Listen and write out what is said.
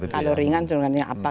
kalau ringan turunannya apa